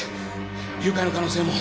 誘拐の可能性も。